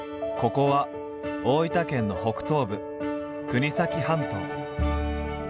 ここは大分県の北東部国東半島。